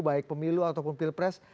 baik pemilu ataupun pilpres